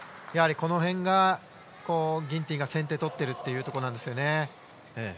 この辺がギンティンが先手を取ってるところなんですよね。